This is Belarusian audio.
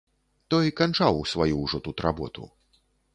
Той канчаў сваю ўжо тут работу.